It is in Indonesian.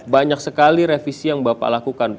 banyak sekali revisi yang bapak lakukan